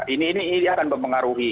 ini akan mempengaruhi